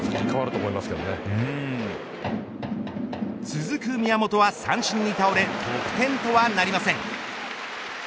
続く宮本は三振に倒れ得点とはなりません。